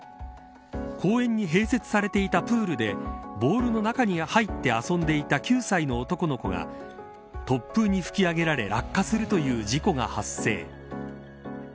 公園に併設されていたプールでボールの中に入って遊んでいた９歳の男の子が突風に吹き上げられ落下するという事故が発生。